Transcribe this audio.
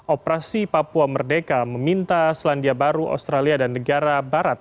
operasi papua merdeka meminta selandia baru australia dan negara barat